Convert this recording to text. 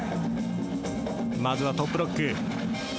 まずはトップロック。